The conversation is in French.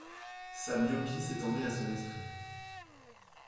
Sa myopie s’étendait à son esprit.